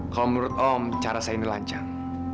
kalau menurut om cara saya ini lancar